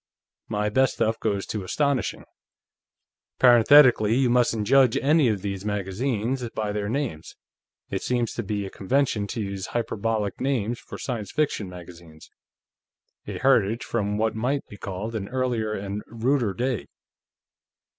My best stuff goes to Astonishing. Parenthetically, you mustn't judge any of these magazines by their names. It seems to be a convention to use hyperbolic names for science fiction magazines; a heritage from what might be called an earlier and ruder day.